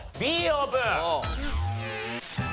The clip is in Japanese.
Ｂオープン。